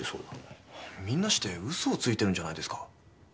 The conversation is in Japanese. みんなして嘘をついてるんじゃないですか？